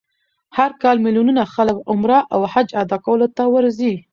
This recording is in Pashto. هر کال میلیونونه خلک عمره او حج ادا کولو ته ورځي.